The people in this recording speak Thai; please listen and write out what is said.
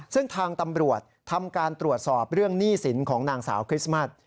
ซึ่งทางตำรวจทำการตรวจสอบเรื่องหนี้สินของนางสาวคริสต์มัส